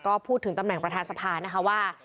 ก็พูดถึงตำแหน่งประธานสภานะคะว่า